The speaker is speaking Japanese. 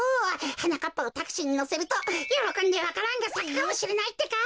はなかっぱをタクシーにのせるとよろこんでわか蘭がさくかもしれないってか！